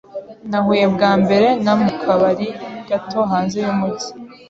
Nahuye bwa mbere na mu kabari gato hanze yumujyi.